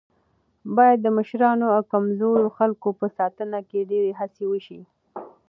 باید د مشرانو او کمزورو خلکو په ساتنه کې ډېره هڅه وشي.